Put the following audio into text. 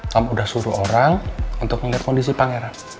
kamu udah suruh orang untuk melihat kondisi pangeran